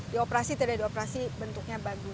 di operasi tidak di operasi bentuknya bagus